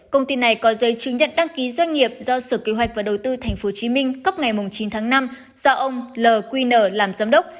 công ty này có giấy chứng nhận đăng ký doanh nghiệp do sở kế hoạch và đầu tư tp hcm cấp ngày chín tháng năm do ông lq nở làm giám đốc